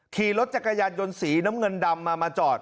ขี่รถจักรยานยนต์สีน้ำเงินดำมามาจอด